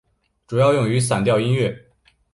主要用于散调音乐。